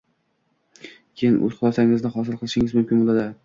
keyin o‘z xulosangizni hosil qilishingiz mumkin bo‘ldi.